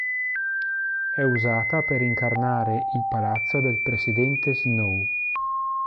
È usata per incarnare il palazzo del presidente Snow.